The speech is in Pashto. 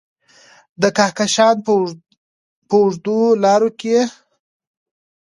د کهکشان په اوږدو لارو کې یې